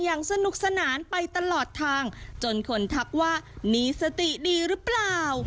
อย่างสนุกสนานไปตลอดทางจนคนทักว่ามีสติดีหรือเปล่า